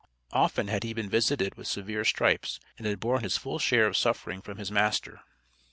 Often had he been visited with severe stripes, and had borne his full share of suffering from his master.